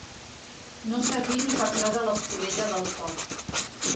No servir ni per treure l'escudella del foc.